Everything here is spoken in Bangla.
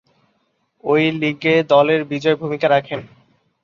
ঐ লীগে দলের বিজয়ে ভূমিকা রাখেন।